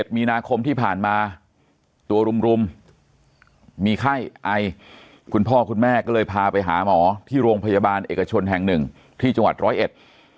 มีนาคมที่ผ่านมาตัวรุมรุมมีไข้ไอคุณพ่อคุณแม่ก็เลยพาไปหาหมอที่โรงพยาบาลเอกชนแห่งหนึ่งที่จังหวัดร้อยเอ็ด